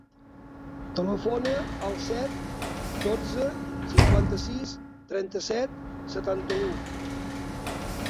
Telefona al set, dotze, cinquanta-sis, trenta-set, setanta-u.